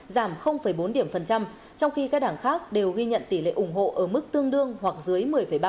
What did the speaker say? giảm bốn điểm phần trăm trong khi các đảng khác đều ghi nhận tỷ lệ ủng hộ ở mức tương đương hoặc dưới một mươi ba